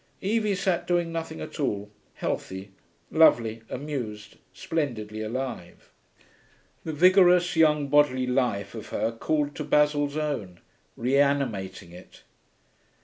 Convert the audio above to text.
Evie sat doing nothing at all, healthy, lovely, amused, splendidly alive. The vigorous young bodily life of her called to Basil's own, re animating it.